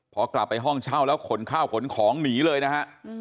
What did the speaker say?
พอกลับไปห้องเช่าแล้วขนข้าวขนของหนีเลยนะฮะ